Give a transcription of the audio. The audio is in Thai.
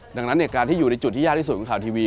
ดังนั้นการที่อยู่ในจุดที่ยากที่สุดของข่าวทีวี